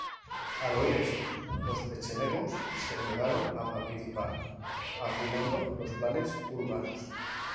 Al oír esto, los pechenegos se negaron a participar, arruinando los planes búlgaros.